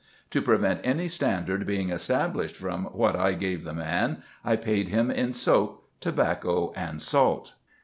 To prevent any standard being established from what I gave the man, I paid him in soap, tobacco, and salt.